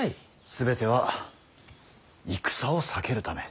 全ては戦を避けるため。